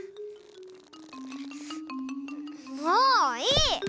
もういい！